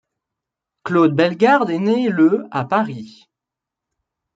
Claude Bellegarde est né le à Paris.